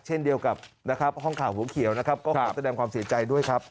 เช่นเดียวกับนะครับห้องข่าวหัวเขียวนะครับก็ขอแสดงความเสียใจด้วยครับ